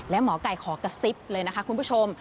และหมอไก่ขอกระซิบเลยนะคะคุณผู้ชม